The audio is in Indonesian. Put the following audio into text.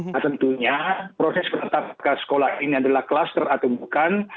nah tentunya proses penetapkan sekolah ini adalah klaster atau bukan